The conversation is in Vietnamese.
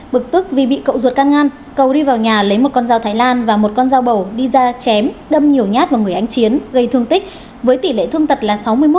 bực tức vì bị cậu ruột can ngăn cầu đi vào nhà lấy một con dao thái lan và một con dao bầu đi ra chém đâm nhiều nhát vào người anh chiến gây thương tích với tỷ lệ thương tật là sáu mươi một